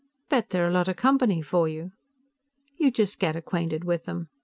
"Bet they're a lot of company for you." "You just get acquainted with them.